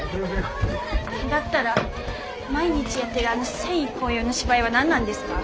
だったら毎日やってるあの戦意高揚の芝居は何なんですか？